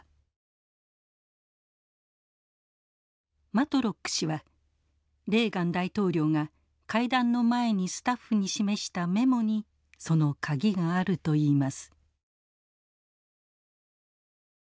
マトロック氏はレーガン大統領が会談の前にスタッフに示したメモにその鍵があるといいます。